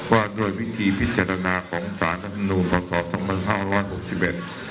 ว่าโดยวิธีพิจารณาของสารรัฐธรรมนูญผสสำหรัฐห้าร้อยหกสิบเอ็ด